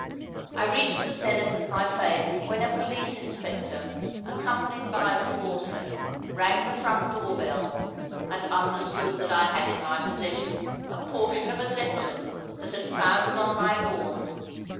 I reached the zenith of my fame when a police inspector, accompanied by a subordinate, rang the front door bell, and understood that I had in my possession a portion of a Zeppelin that had foundered on my lawn.